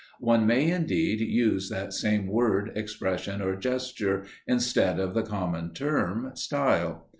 One may, indeed, use that same word, expression or gesture, instead of the common term, style.